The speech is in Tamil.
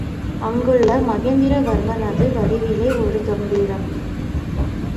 அங்குள்ள மகேந்திரவர்மனது வடிவிலோ ஒரு கம்பீரம்.